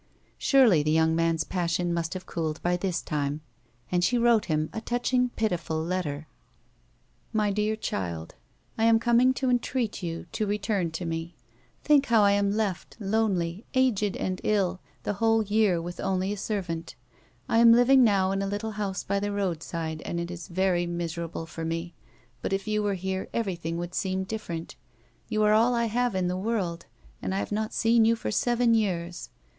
Surely the young man's passion must have cooled by this time, and she wTote him a touching, pitiful letter : "AIt Dear Child — I am coming to entreat you to return to me. Think hove I am left, lonely, aged and ill, the whole year with only a servant. I am living now in a little house by the roadside and it is very miserable for me, but if you were here everything would seem different. You are all I have in the world, and I have not seen you for seven years.